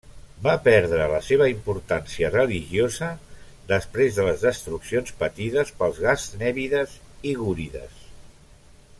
Va perdre la seva importància religiosa després de les destruccions patides pels gaznèvides i gúrides.